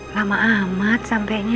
lama amat sampainya